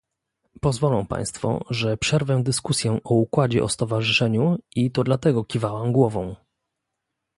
Pozwolą Państwo, że przerwę dyskusję o układzie o stowarzyszeniu i to dlatego kiwałam głową